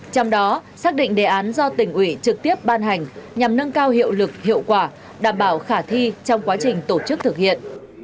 trong đó xác định đề án do tỉnh ủy trực tiếp ban hành nhằm nâng cao hiệu lực hiệu quả đảm bảo khả thi trong quá trình tổ chức thực hiện